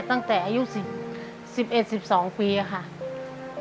ตั้งแต่อายุ๑๑๑๒ปีค่ะ